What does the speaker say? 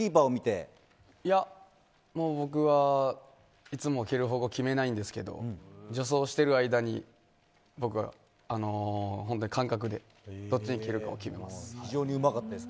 いや、もう僕はいつも蹴る方向決めないんですけど助走している間に僕は感覚でどっちに蹴るかを決めます。